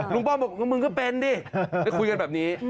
ป้อมบอกมึงก็เป็นดิได้คุยกันแบบนี้